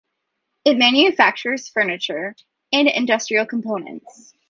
It manufactures furniture and industrial components.